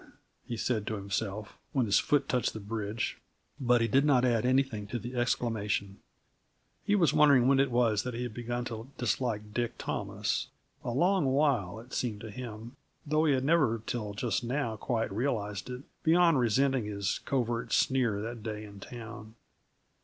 he said to himself, when his foot touched the bridge, but he did not add anything to the exclamation. He was wondering when it was that he had begun to dislike Dick Thomas; a long while, it seemed to him, though he had never till just now quite realized it, beyond resenting his covert sneer that day in town.